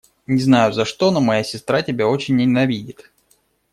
Не знаю за что, но моя сестра тебя очень ненавидит.